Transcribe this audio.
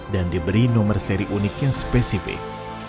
dan diberi nomor seri unik yang spesifik